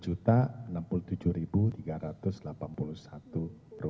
kurang prosentase ya tiga persenan tiga tiga persen